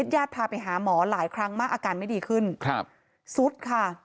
ญาติพาไปหาหมอหลายครั้งมากอาการไม่ดีขึ้นครับสุดค่ะ